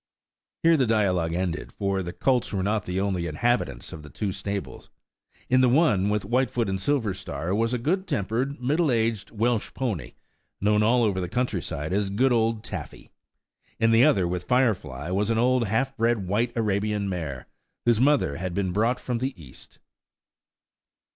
Here the dialogue ended, for the colts were not the only inhabitants of the two stables. In the one, with Whitefoot and Silverstar, was a good tempered, middle aged, Welsh pony, known all over the country side as good old Taffy. In the other, with Firefly, was an old, half bred white Arabian mare, whose mother had been brought from the East.